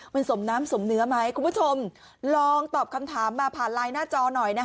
มันสมน้ำสมเนื้อไหมคุณผู้ชมลองตอบคำถามมาผ่านไลน์หน้าจอหน่อยนะคะ